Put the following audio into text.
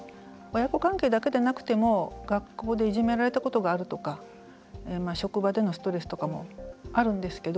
親子関係だけでなくても学校でいじめられたことがあるとか職場でのストレスとかもあるんですけど